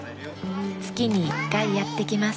月に１回やって来ます。